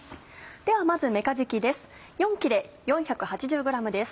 ではまずめかじきです。